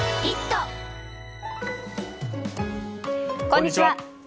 こんにちは。